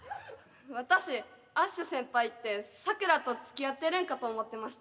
私アッシュ先輩ってサクラとつきあってるんかと思ってました。